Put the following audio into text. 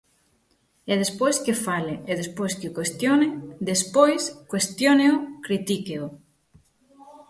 E despois que fale e despois que o cuestione; despois cuestióneo, critíqueo.